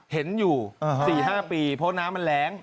เห็นอยู่๔๕ปีเพราะน้ำมันแรง